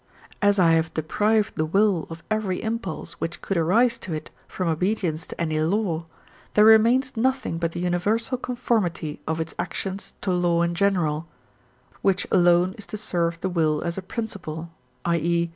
As I have deprived the will of every impulse which could arise to it from obedience to any law, there remains nothing but the universal conformity of its actions to law in general, which alone is to serve the will as a principle, i.e.